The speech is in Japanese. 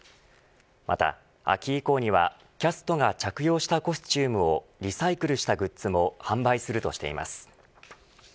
また、秋以降にはキャストが着用したコスチュームをリサイクルしたグッズも販売するとしています。